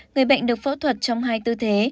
người bệnh được phẫu thuật trong hai tư thế